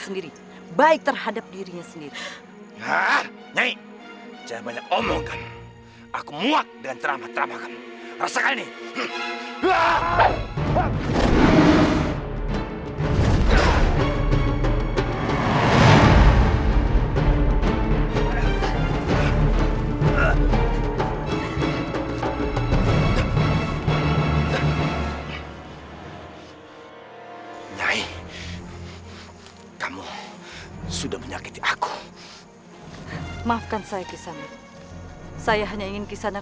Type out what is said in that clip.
sampai jumpa di video selanjutnya